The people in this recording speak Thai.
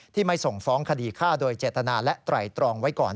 ไม่ส่งฟ้องคดีฆ่าโดยเจตนาและไตรตรองไว้ก่อน